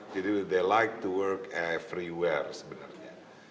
jadi mereka suka bekerja di mana mana